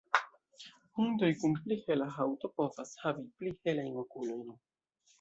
Hundoj kun pli hela haŭto povas havi pli helajn okulojn.